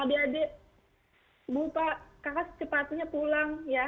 ibu pak secepatnya pulang